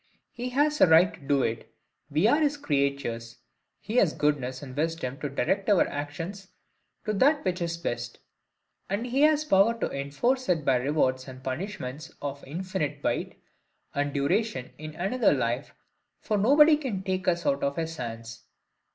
He has a right to do it; we are his creatures: he has goodness and wisdom to direct our actions to that which is best: and he has power to enforce it by rewards and punishments of infinite weight and duration in another life; for nobody can take us out of his hands.